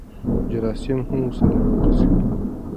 جراثیم هم ورسره ننوځي.